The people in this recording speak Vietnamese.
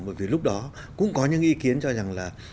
bởi vì lúc đó cũng có những ý kiến cho rằng là